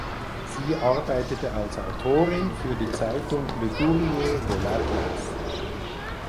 Sie arbeitete als Autorin für die Zeitung Le Courrier de l’Atlas.